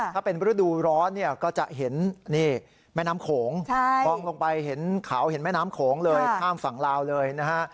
ถ้าเป็นฤดูร้อนเนี่ยก็จะเห็นนี่แม่น้ำโขงมองลงไปเห็นเขาเห็นแม่น้ำโขงเลยข้ามฝั่งลาวเลยนะฮะ